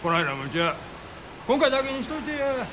今回だけにしといてや。